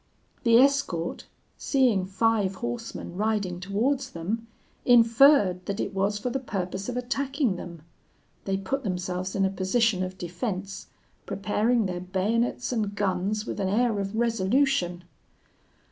"The escort, seeing five horsemen riding towards them, inferred that it was for the purpose of attacking them. They put themselves in a position of defence, preparing their bayonets and guns with an air of resolution.